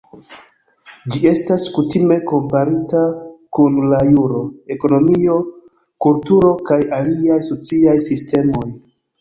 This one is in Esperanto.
Ĝi estas kutime komparita kun la juro, ekonomio, kulturo kaj aliaj sociaj sistemoj.